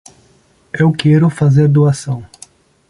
Eu quero fazer doação.